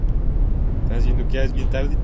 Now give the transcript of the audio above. Ar-Feiniel murió producto de la herida.